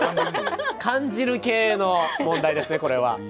感じる系の問題ですねこれは。